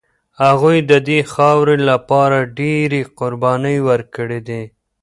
هغوی د دې خاورې لپاره ډېرې قربانۍ ورکړي دي.